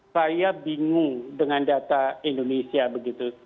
saya bingung dengan data indonesia begitu